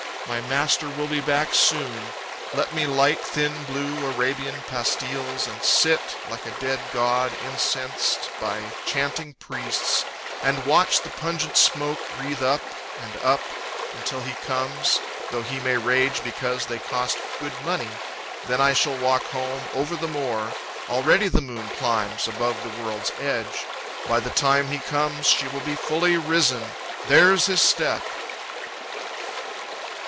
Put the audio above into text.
My master will be back soon. Let me light Thin blue Arabian pastilles, and sit Like a dead god incensed by chanting priests, And watch the pungent smoke wreathe up and up, Until he comes though he may rage because They cost good money. Then I shall walk home Over the moor. Already the moon climbs Above the world's edge. By the time he comes She will be fully risen. There's his step!